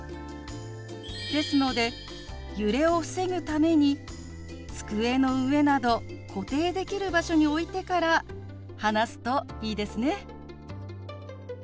ですので揺れを防ぐために机の上など固定できる場所に置いてから話すといいですね。